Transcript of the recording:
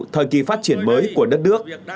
thời kỳ phát triển mới của đất nước